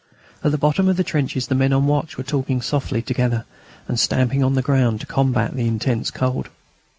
At the bottom of the trenches the men on watch were talking softly together and stamping on the ground to combat the intense cold.